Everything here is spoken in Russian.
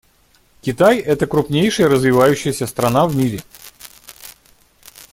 Китай — это крупнейшая развивающаяся страна в мире.